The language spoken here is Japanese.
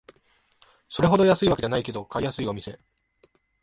それほど安いわけじゃないけど買いやすいお店